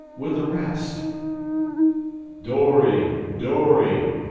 with the rest." "Dory! dory!"